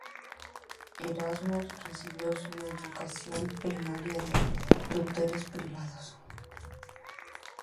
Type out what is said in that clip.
Erasmus recibió su educación primaria de tutores privados.